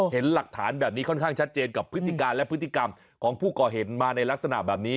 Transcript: เห็นหลักฐานแบบนี้ค่อนข้างชัดเจนกับพฤติการและพฤติกรรมของผู้ก่อเหตุมาในลักษณะแบบนี้